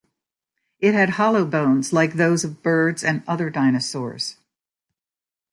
It had hollow bones like those of birds and other dinosaurs.